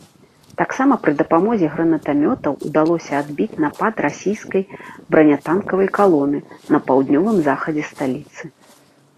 Таксама пры дапамозе гранатамётаў удалося адбіць напад расійскай бранятанкавай калоны на паўднёвым захадзе сталіцы.